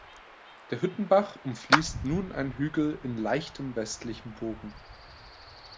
Der Hüttenbach umfließt nun einen Hügel in leichtem westlichem Bogen.